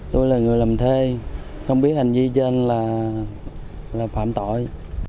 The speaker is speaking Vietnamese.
tôi là người làm thuê không biết hành vi trên là phạm tội